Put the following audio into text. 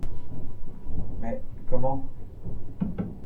Mais comment?